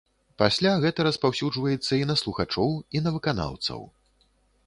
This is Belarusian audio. Пасля гэта распаўсюджваецца і на слухачоў і на выканаўцаў.